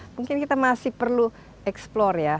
mungkin kita masih perlu eksplore ya